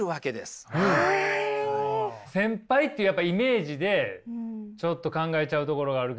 先輩っていうやっぱイメージでちょっと考えちゃうところがあるけど。